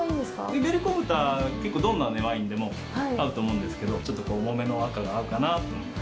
イベリコ豚は、結構、どんなワインでも合うと思うんですけど、ちょっと重めの赤が合うかなと思って。